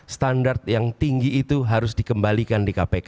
standar yang tinggi itu harus dikembalikan di kpk